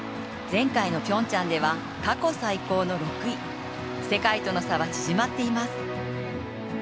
前回の平昌では過去最高の６位、世界との差は縮まっています。